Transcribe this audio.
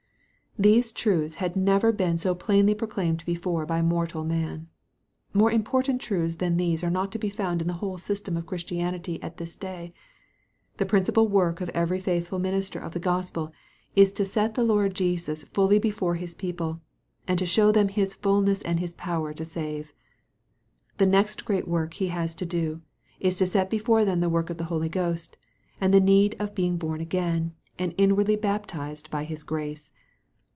These truths had never been so plainly proclaimed be fore by mortal man. More important truths than these are not to be found in the whole system of Christianity at this day. The principal work of every faithful min ister of the Gospel, is to set the Lord Jesus fully before His people, and to show them His fulness and His power to save. The next great work He has to do, is to set before them the work of the Holy Ghost, and the need of being born again, and inwardly baptized by His grace.